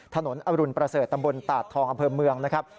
ถนนอาลุณประเศรษฐ์ตำบลต่าทองอเภอเมืองนะครับ